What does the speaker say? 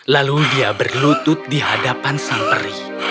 lalu dia berlutut di hadapan sang peri